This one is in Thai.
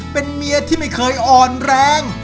เป็นเมียที่ไม่เคยอ่อนแรง